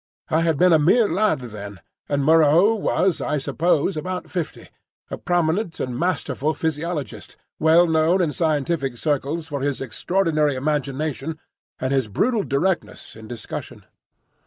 I had been a mere lad then, and Moreau was, I suppose, about fifty,—a prominent and masterful physiologist, well known in scientific circles for his extraordinary imagination and his brutal directness in discussion.